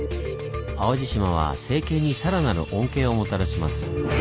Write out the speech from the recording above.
淡路島は政権にさらなる恩恵をもたらします。